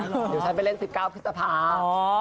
เดี๋ยวฉันไปเล่น๑๙พฤษภา